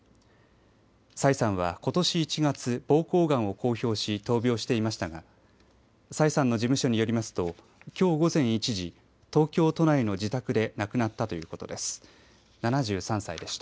崔さんはことし１月ぼうこうがんを公表し闘病していましたが崔さんの事務所によりますときょう午前１時東京都内の自宅で亡くなったということです。